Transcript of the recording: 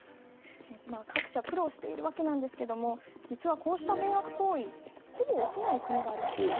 各社、苦労しているわけですが実はこうした迷惑行為ほぼ起きない国があるんです。